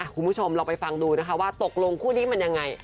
คุณผู้ชมลองไปฟังดูนะคะว่าตกลงคู่นี้มันยังไง